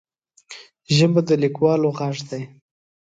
ژبه د لیکوالو غږ دی